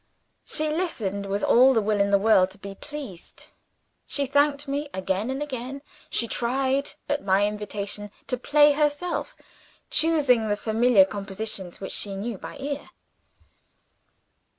She listened with all the will in the world to be pleased. She thanked me again and again. She tried, at my invitation, to play herself; choosing the familiar compositions which she knew by ear.